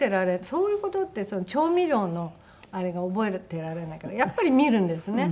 そういう事って調味料のあれが覚えていられないからやっぱり見るんですね。